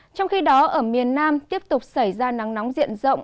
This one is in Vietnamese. trong khi đó ở miền nam tiếp tục xảy ra nắng nóng diện rộng